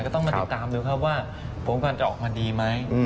ก็ต้องมาติดตามดูครับว่าผลการจะออกมาดีไหม